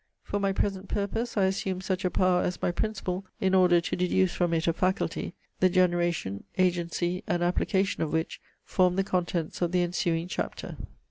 For my present purpose, I assume such a power as my principle, in order to deduce from it a faculty, the generation, agency, and application of which form the contents of the ensuing chapter.